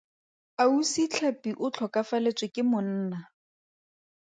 Ausi Tlhapi o tlhokofaletswe ke monna.